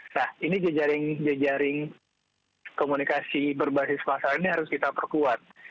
nah ini jejaring jejaring komunikasi berbasis masalah ini harus kita perkuat